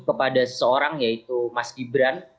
kepada seseorang yaitu mas gibran